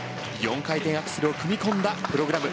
４回転アクセルを組み込んだプログラム。